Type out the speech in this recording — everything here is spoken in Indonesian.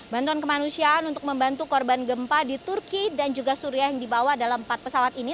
bantuan kemanusiaan untuk membantu korban gempa di turki dan juga suria yang dibawa dalam empat pesawat ini